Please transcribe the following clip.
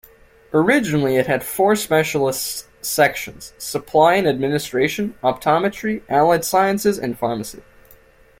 Originally it had four specialist sections: Supply and Administration, Optometry, Allied Sciences, and Pharmacy.